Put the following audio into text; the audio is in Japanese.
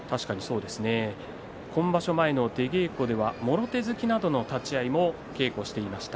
今場所前の出稽古ではもろ手突きなど立ち合いも稽古をしていました。